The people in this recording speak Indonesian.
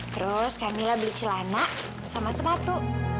terus kak mila beli celana sama sepatu